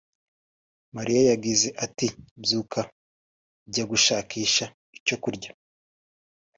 Mariya yagize ati “Byuka njya gushakisha icyo kurya